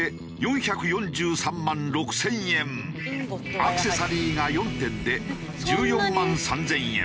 アクセサリーが４点で１４万３０００円。